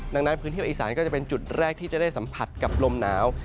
ดังนั้นพื้นที่ภาคอีสานก็จะเป็นจุดแรกที่จะได้สัมผัสกับลมหนาว